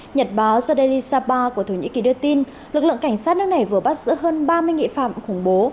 nhật báo sade sapa của thổ nhĩ kỳ đưa tin lực lượng cảnh sát nước này vừa bắt giữ hơn ba mươi nghị phạm khủng bố